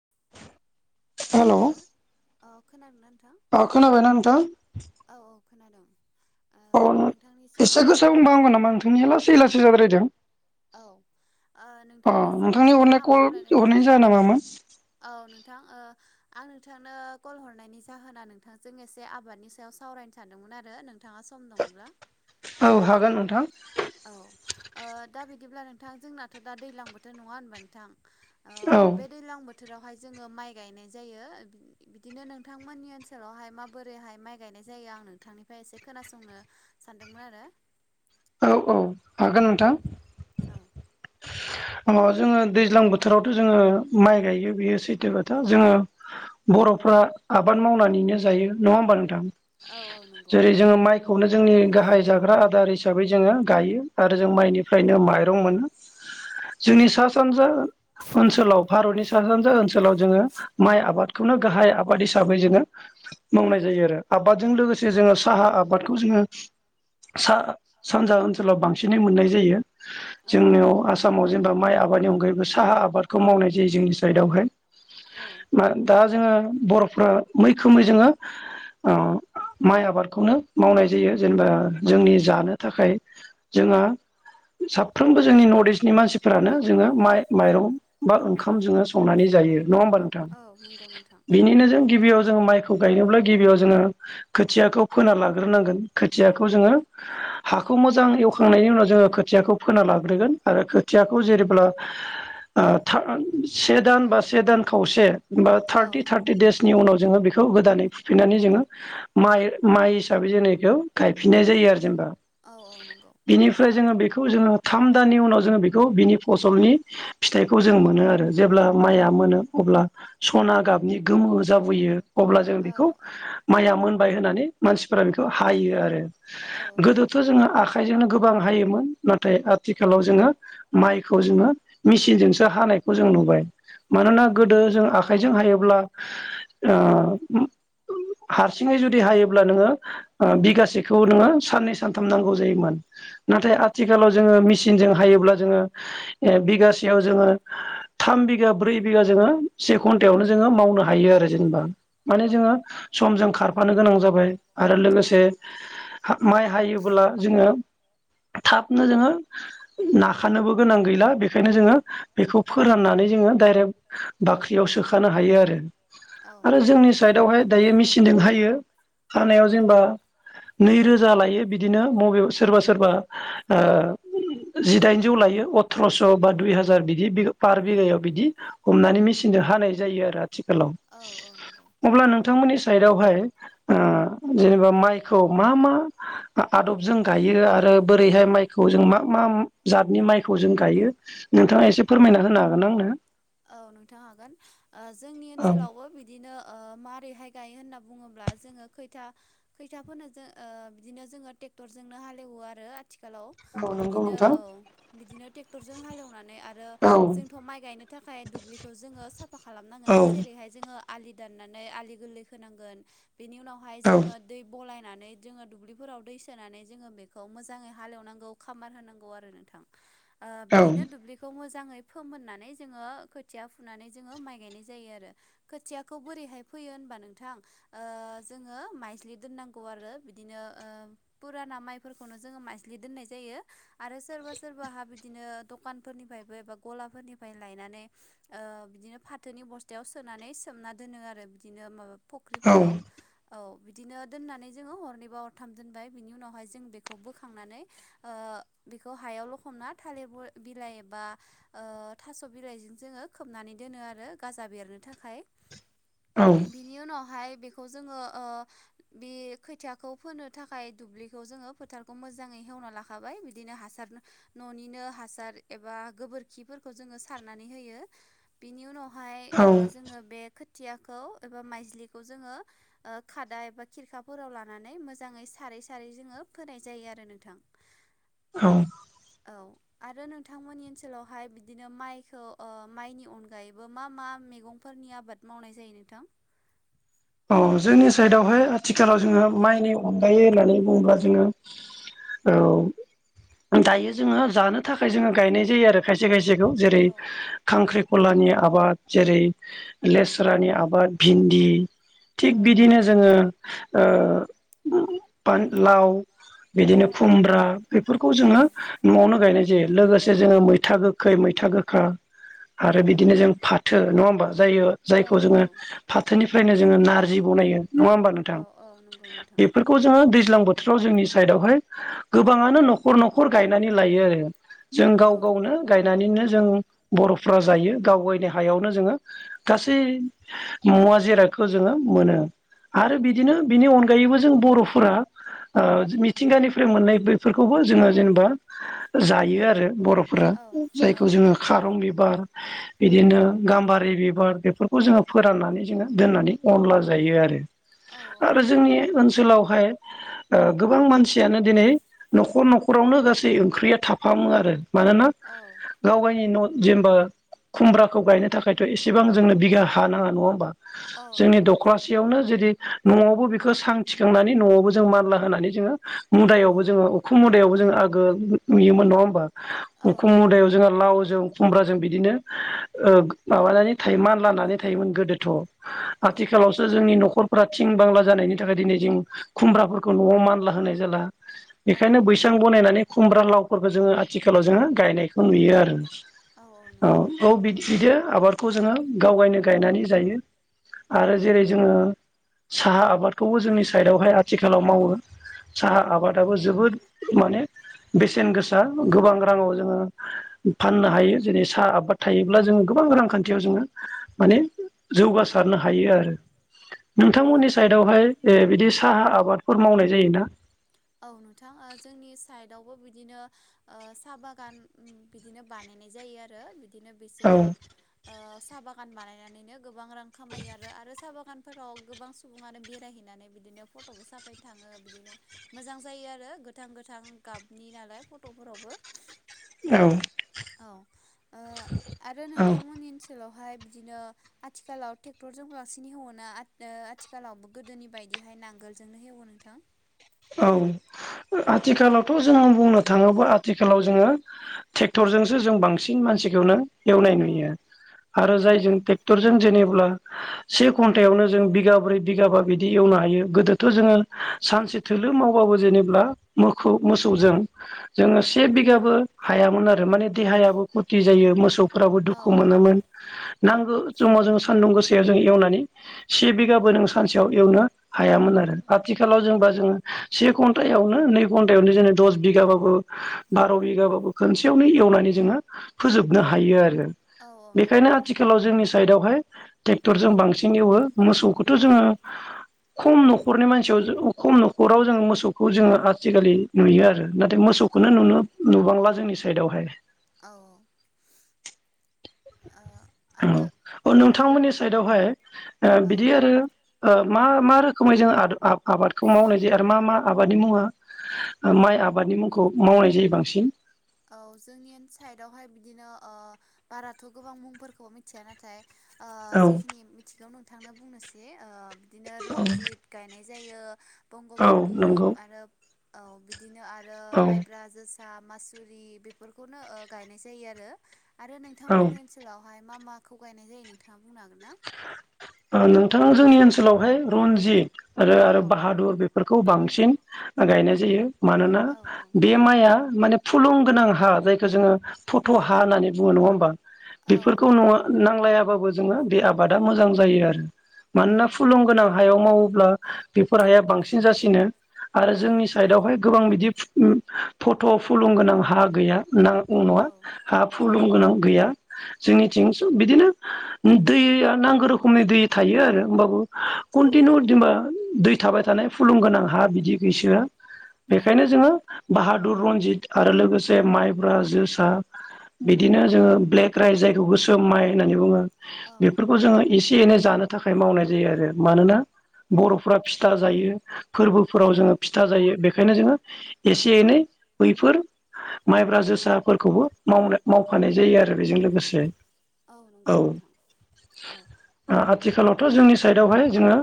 [unintelligible] हेल' और खोनादोंंना औ खोनाबायना नोंथां? औ खोनादों। ओ औ नोंथांनिसिम एसे गाहाम गोसा हामलायनाय बुंबावनांगौ नामा नोंथांनि लासै लासै जाद्रायदों औ अ नोंथांनिसिम नोंथांनि हरनाय गाहाम कल हामलायनायखौ हरनायनि जासिहरद। जाहोना मामोन औ नोंथां ओ आं नोंथांनो कल हरनायनि जाहोना नोंथांजों एसे आबादनि सायाव सावरायनो सानदोंमोन आरो नोंथाङा। सम दङब्ला। औ हागोन नोंथां। औ दा बिदिब्ला नोंथां जोंनाथ' दा दैज्लां बोथोर नङा होनबा नोंथां। ओ औ बे दैलां बोथोर। बोथोरावहाय जोङो माइ गायनाय जायो बिदिनो नोंथांमोननि ओनसोलावहाय माबोरैहाय माइ गायनाय। नाय जायो आं नोंथांनिफ्राय एसे खोनासंनो सानदोंमोन आरो। औ औ हागोन औ नोंथां। [inaudible] अ जोङो दैज्लां बोथोरावथ' जोङो माइ गायो बियो सैथो बाथ्रा जोङो बर'। फ्रा आबाद मावनानैनो जायो नङा होमबा नोंथां। औ औ नंगौ। खौनो जोंनि गाहाय जाग्रा आदारि हिसाबै। हिसाबै जोङो गायो आरो जों माइनिफ्रायनो माइरं मोनो। जोंनि सा सानजा। ओनसोलाव भारतनि सा सानजा ओनसोलाव जोङो माइ आबादखौनो गाहाय आबाद हिसाबै जोङो। औ मावनाय जायो आरो आबादजों लोगोसे। जे जोङो साहा आबादखौ जोङो सा सानजा ओनसोलाव बांसिनै मोननाय जायो। औ औ जोंनियाव आसामाव जेनेबा माइ आबादनि अनगायैबो साहा आबादखौ मावनाय जायो जोंनि साइदआवहाय। दा जोङो बर'फ्रा मैखोमै जोङो ओ। माइ आबादखौनो मावनाय जायो जेनेबा जोंनि जानो थाखाय जोंओ। साफ्रोमबो जोंनि नर्थ इस्टनि मानसिफोरानो जोङो माइ माइरं बा ओंखाम जोङो। संनानै जायो नङा होमबा नोंथां। औ नंगौ नोंथां बिनिनो जों गिबियाव जोङो माइखौ गायनोब्ला गिबियाव जोङो खोथियाखौ। फोना लाग्रोनांगोन खोथियाखौ जोङो। हाखौ मोजां एवखांनायनि उनाव जोङो खोथियाखौ फोना लाग्रोगोन आरो खोथियाखौ जेरेब्ला। से दान बा से दान खावसे बा औ थार्टि थार्टि देसनि उनाव। जोङो बेखौ गोदानै फुफिननानै जोङो माइ- माइ हिसाबै जोङो बेखौ गायफिननाय जायो आरो जेनेबा। औ औ नंगौ बेनिफ्राय जोङो बे। बेखौ जोङो थाम दाननि उनाव जोङो बेखौ बिनि फसलनि फिथाइखौ जों मोनो आरो। जेब्ला औ माइया मोनो अब्ला सना गाबनि गोमो जाबोयो। अब्ला जों औ बेखौ माइया मोनबाय होननानै मानसिफोरा बेखौ हायो आरो। औ औ नं ' जोङो आखखौजोंनो। गोबां हायोमोन नाथाय आथिखालाव जोङो माइखौ जोङो मेचनजोंसो हानायखौ जों नु मानोना औ गोदो जों आखाइजों हायोब्ला ओ हारसिङै जुदि हायोब्ला नोङो बिगासेखौ नोङो साननै सानथाम नांगौ जायोमोन। औ नाथाय आथिखालाव जोङो मेसिनजों हायोब्ला जोङो बिगासेयाव जोङो। थाम बिगा ब्रै बिघा जोङो से घन्टायावनो जोङो मावनो हायो आरो जेनेबा माने जोङो। समजों खारफानो गोनां जाबाय आरो औ लोगोसे माइ हायो। जोङो। थाबनो जोङो नाखानोबो गोनां गैला बेखायनो जोङो बेखौ फोराननानै। जोङो डायरेक्ट बाख्रियाव सोखानो हायो आरो। आरो नंगौ जोंनि साइडआवहाय दायो मेचिनजों हायो। हानायाव जेनबा नै रोजा लायो। बिदिनो मबेयाव सोरबा सोरबा ओ जिदाइनजौ लायो अथ्रस'बा दुइ हाजार बिदि पार बिघायाव बिदि हमनानै मेसिन। जों हानाय जायो आरो आथिखालाव औ औ नंगौ अब्ला नोंथांमोननि। साइदआवहाय ओ जेनेबा माइखौ मा मा? आदब जों गायो आरो बोरैहाय माइखौ जों मा मा जातनि माइखौ जों गायो? नोंथाङा एसे फोरमायना होनो हागोना आंनो? औ नोंथां हागोन ओ जोंनि हागोन आंनो औ ओनसोलावबो बिदिनो। ओ मारैहाय गायो होनना बुङोब्ला जोङो खैथा खैथाफोनो जो ओ बिदिनो जोङो। ट्रेक्टर जोंनो हालएवो आरो। थिखालाव औ नंगौ बिदिनो नोंथां औ बिदिनो टेक्टरजों हालएवनानै आरो जोंथ माइ गायनो। थाखाय दुब्लिखौ जोङो साफा औ खालामनांगोना जेरैहाय जोङो। आलि दाननानै आलि गोरलै खोनांगोन बिनि उनावहाय औ जोङो दैै बलाय। नानै जोङो दुब्लिफोराव दै सोनानै जोङो बेखौ मोजाङै हालएवनांगौ खामार होनांगौ आरो नोंथां। ओ बिदिनो दुब्लिखौ मोजाङै फोमोननानै। जोङो खोथिया फुनानै जोङो माइ गायनाय जायो आरो खोथियाखौ बोरैहाय फोयो होनबा नोंथां। ओ जोङो माइज्लि दोननांगौ आरो बिदिनो ओ पुराना माइफोरखौनो जोङो माइ ज्लि दोननाय जायो आरो सोरबा सोरबाहा बिदिनो दखानफोरनिफ्रायबो एबा गलाफोरनि। फाय लायनानै ओ बिदिनो फाथोनि बस्थायाव सोनानै सोमना दोनो आरो बिदिनो माबा फुख्रिफोराव औ। बिदिनो दोननानै जोङो हरनैबा हरथाम दोनबाय बिनि उनावहाय जों बेखौ बोखांनानै ओ। बेखौ हायाव लखबना थालिर ब बिलाइ एबा ओ। थास बिलाइजों जोङो खोबनानै दोनो आरो गाजा बेरनो थाखाय। औ बिनि उनावहाय। बेखौ जोङो ओ बे खोथियाखौ फोनो थाखाय दुब्लिखौ जोङो फोथारखौ मोजाङै। हेवना लाखाबाय बिदिनो हासार ननिनो हासार एबा गोबोरखि फोर खो जोङो सारनानै होयो बिनि उनावहाय औ ओ जोङो बे खो थियाखौ एबा माइज्लिखौ जोङो ओ खादा एबा खिरखाफोराव लानानै मोजाङै सार रै सारै जोङो फोनाय जायो आरो नोंथां। औ। औ आरो नोंथांमोननि ओनसोलावहाय। बिदिनो माइखौ ओ माइनि अनगायैबो मा मा मेगंफोरनि आबाद मावनाय जायो नोंथां? अह जोंनि साइदावहाय आथिखालाव जोङो माइनि अनगायै होननानै बुङोब्ला जोङो। औ दायो जोङो जानो थाखाय जोङो गायनाय जायो आरो खायसे खायसे खौ जेरै औ खांख्रि खलानि आबाद जेरै लेस्रानि आबाद भिन्दि। थिग औ बिदिनो जोङो ओ फान लाव। बिदिनो औ खुमब्रा बेफोरखौ जोङो नआवनो गायनाय जायो लोगोसे जोङो मैथा गोखै मै था गोखा आरो औ बिदिनो जों फाथो नङा होमबा जायो औ जायखौ जोङो नंगौ फाथोनिफ्रायनो। जोङो नारजि बनायो नङा होनबा औ नोंथां औ नंगौ नोंथां बेफोरखौ जोङो दै ज्लां बोथोराव जोंनि साइदावहाय गोबांआनो नखर नखर गायनानै लायो आरो। जों औ गाव गावनो गायनानैनो। जों बरफ्रा जायो गावगायनि हायावनो जोङो गासै मुवा जिरा खो जोङो मोनो आरो बिदिनो बिनि अनगायैबो जों बर'फोरा। ओ मिथिंगानिफ्राय मोननाय बेफोरखौबो जोङो औ जेनेबा जायो आरो। बर'फोरा औ औ जायखौ जोङो नंगौ खारं बिबार औ बिदिनो गाम्बारि बिबा बार बेफोरखौ जोङो फोराननानै जोङो दोननानै अनला जायो आरो। औ औ आरो नंगौ जोंनि ओनसोलावहाय। गोबां मानसियानो दिनै न'खर न'खरावनो गासै ओंख्रिया थाफामो आरो। मानोना औ गावगायनि न'। जेनेबा खुमब्राखौ गायनो थाखायथ' एसेबां जोंनो बिगा हा नाङा नङा होमबा? औ जोंनि नंगौ नोंथां दखरसेयावनो जुदि। न'आवबो बेखौ सां थिखांनानै न'आवबो जों मानला होनानै जोङो औ मुदायावबो औ जोङो उखुम मुदायावबो जोङो आगो नुयोमोन नङा होमबा? औ उखुम औ मुदायाव नंगौ जोंहा लावजों खमबाजों बिदिनो माबानानै थाय मान लानानै थायोमोन गोदोथ' औ आथिखालावसो जोंनि न'खर फोरा थिं बांला जानायनि थाखाय दिनै जों खुमब्राफोरखौ न'आव मानला होनाय जाला। औ बेखायनो बैसां बानायनानै खुमब्रा लावफोरखौ जोङो आथिखालाव जोङो गायनायखौ नुयो आरो। औ औ बिदि आबादखौ जोङो गावगायनो गायनानै जायो। औ आरो जेरै जोङो साहा आबादखौबो जोंनि साइडआवहाय आथिखालाव मावो‌। औ साहा आबादाबो जोबोद माने बेसेन गोसा गोबां राङाव जोङो फाननो हायो जेरै साहा आबाद थायोब्ला जों गोबां रांखानथियाव जोङो माने जौगासिनो सारनो हायो आरो, नोंथांमोननि औ साइदावहाय बिदि साहा आबादफोर मावनाय जायोना? औ नोंथां जोंनि साइदवबो बिदिनो साहा बागान बिदिनो बानाय नाय जायो आरो बि बिदिनो औ बिसोरो साहा बागान बानायनानैनो गोबां रां खामायो आरो आरो साहा बागान फोराव गोबां सुबुङानो बेरायहैनानै बिदिनो फट'बो साफायनो थाङो बिदिनो। मोजां जायो आरो गोथां गोथां गाबनि नालाय फट'फोरावबो औ औ आरो औ नोंथांमोननि ओनसोलाव बेवहाय बिदिनो आथिखालाव ट्रेक्टरजों बांसिन हेवोना आथिखालावबो गोदोनि बायदिहाय नांगोलजोंनो हेवो नोंथां। औ आथिखालावथ' जोङो बुंनो थाङोब्ला आथिखालाव जोङो ट्रेक्टरजोंसो जों बांसिन मानसिखौनो एवनाय औ नुयो, आरो औ जायजों ट्रेक्टरजों जेनेबा से घन्टायावनो जों बिगाब्रै बिगाबा बिदि एवनो हायो गोदोथ' जोङो सानसे थोलो मावबाबो जेनेब्ला मोखौ मोसौजों जोङो से औ बिगाबो हायामोन आरो माने देहायाबो खति जायो मोसौफोराबो औ दुखु औ मोनोमोन नांगौ ज समाव जोंङो सान्दुं गो याव जों एवनानै से बिगाबो नों सानसेयाव एवनो हायामोन आरो आथिखालाव जोंबा जोङो से घन्टायावनो नै घन्टायावनो जेन दस बिघाबाबो बार' बिगाबाबो खनसेयावनो वनानै जोङो फोजोबनो हायो आरो। औ औ नंगौ बेखायनो नोंथां आथिखालाव जोंनि साइडआवहाय ट्रेक्टरजों बांसिन एवो मोसौखौथ' औ जोङो खम न'खरनि मानसियाव खम राव जोङो मोसौखौ जोङो आजिखालि नुयो आरो नाथाय औ मोसौखौनो नुनो नुबांला। जोंनि साइदआवहाय औ औ आरो औ नोंथांमोननि साइदावहाय औ बिदि आरो। मा मा रोखोमै जों आबादखौ मावनाय जायो आरो मा मा आबादनि मुङा माइ आबादनि मुंखौ मावनाय जायो बांसिन औ जोंनि साइदवहाय बिदिनो बाराथ' गोबां मुंफोरखौबो मिथिया नाथाय औ जिखिनि मिथिगौ नोंथांनो बुंनोसै बिदिनो औ रनजित गायनाय जायो औ बंगबंधु नंगौ आरो बिदिनो आरो औ माइब्रा जोसा मासुरि बेफोरखौनो गायनाय जायो आरो आरो औ नोंथांमोननि ओनसोलाव मा माखौहाय गायनाय जायो नोंथाङा बुंनो हागोन ना बिथां आ जोंनि ओनसोलावहाय रनजित आरो आरो औ बाहादुर बेफोरखौ औ बांसिन गायनाय जायो मानोना औ बे माइआ माने फुलुं गोनां हा जायखौ जोङो फट' हा होननानै बुङो नङा होमबा। औ बेफोरखौ नंगौ न नांलायाबाबो जोङो बे आबादा मोजां जायो आरो औ मानोना औ फुलुं गोनां हायाव मावोब्ला बेफोर हाया बांसिन जासिनो। आरो औ औ जोंनि साइडआवहाय गोबां बिदि फट' फुलुंगोनां हा गैया नांगौ नङा हा फुलं गोनां गैया जोंनिथिं बिदिनो दैया नांगौ रोखोमनि दै थायो आरो होमबाबो औ कन्टिनिउ जेनेबा दै थाबाय थानाय फुल फुलुं गोनां हा बिदि गैसोआ औ बेखायनो जोङो बाहादुर रनजित आरो लोगोसे माइब्रा जोसा बिदिनो जोङो ब्लेक राइस जायखौ गोसो माइ होननानै बुङो। बेफोरखौ जोङो एसे एसे एनै जानो थाखाय मावनाय जायो आरो मानोना बर'फोरा फिथा जायो औ फोरबोफोराव जोङो फिथा जायो बेखायनो जोङो एसे एनै बैफोर माइब्रा जोसाफोरखौबो माव मावफानाय जायो आरो बेजों लोगोसे। औ नंगौ नोंथां। औ औ आथिखालावथ' जोंनि साइडआवहाय जोङो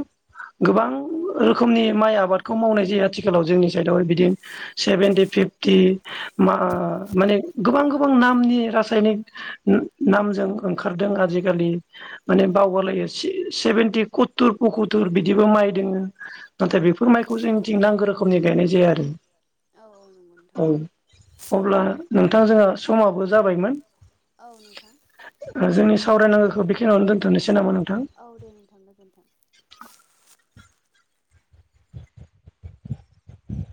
गोबां औ रोखोमनि माइ आबादखौ मावनाय जायो आथिखालाव जोंनि साइडआवहाय बिदिनो सेभेनटि फिफटि म माने गोबां गो बां नामनि रासायनिक नामजों ओंखारदों आजिखालि माने बावगारलायोसे- सेभेेनटि कत्तुर पखत्तुर बिदिबो माइ दोङो नाथाय बेफोर माइखौ जों दिं नांगौ रोखोमनि गायनाय जायो आरो औ नंगौ औ नोंथां अब्ला नोंथां जोंहा समाबो जाबायमोन। औ नोंथां जोंनि ओ बिदिनो सावरायनांगौखौ औ बेखिनियावनो दोनथ'नोसै नामा नोंथां! औ दे नोंथां गोजोन्थों।